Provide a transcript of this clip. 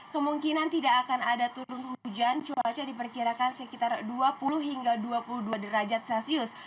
kemungkinan tidak akan ada turun hujan cuaca diperkirakan sekitar dua puluh hingga dua puluh dua derajat celcius